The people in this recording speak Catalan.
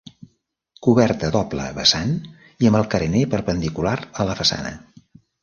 Coberta a doble vessant i amb el carener perpendicular a la façana.